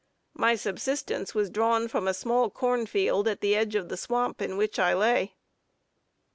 My subsistence was drawn from a small corn field at the edge of the swamp in which I lay.